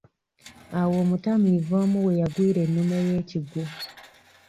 Awo omutamiivu omu we yagwira ennume y'ekigwo.